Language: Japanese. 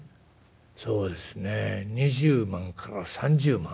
「そうですね２０万から３０万」。